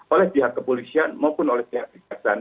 oleh pihak kepolisian maupun oleh pihak kejaksaan